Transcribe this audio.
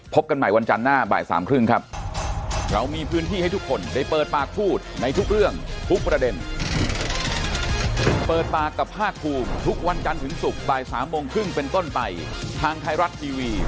กันใหม่วันจันทร์หน้าบ่ายสามครึ่งครับ